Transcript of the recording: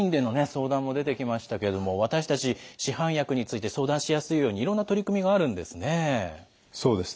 相談も出てきましたけれども私たち市販薬について相談しやすいようにいろんな取り組みがあるんですね。